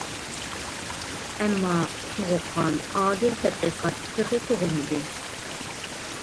ئەمما، سوغۇققان، ئادىل تەتقىقات تېخى تۇغۇلمىدى.